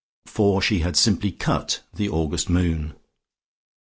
For she had simply "cut" the August moon....